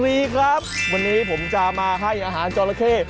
มีครับวันนี้ผมจะมาให้อาหารจอละเข้